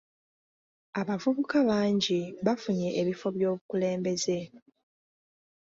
Abavubuka bangi bafunye ebifo by'obukulembeze.